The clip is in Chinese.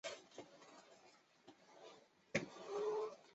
豆梨为蔷薇科梨属下的一个种。